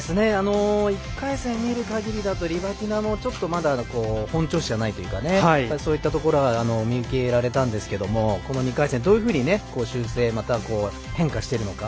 １回戦を見るかぎりだとリバキナもちょっと本調子じゃないというかそういったところは見受けられたんですけどもこの２回戦、どういうふうに修正、または変化しているのか